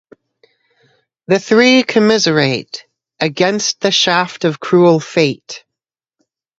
The three commiserate ("Against the shaft of cruel fate").